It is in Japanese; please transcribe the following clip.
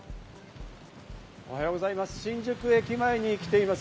おはようございます。